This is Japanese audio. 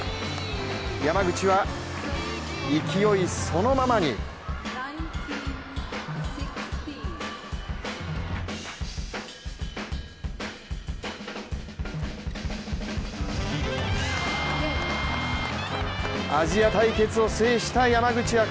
山口は勢いそのままにアジア対決を制した山口茜。